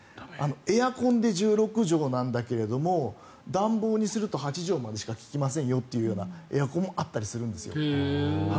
エアコンで１６畳なんだけど暖房にすると８畳間でしか利きませんよというエアコンもあったりするんです。